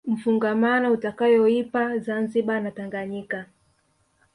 mfungamano utakayoipa Zanzibar na Tanganyika